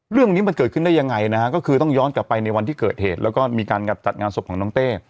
เรื่องนี้มันเกิดขึ้นได้ยังไงนะฮะก็คือต้องย้อนกลับไปในวันที่เกิดเหตุแล้วก็มีการจัดงานศพของน้องเต้